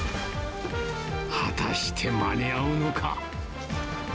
果たして、間に合うのか。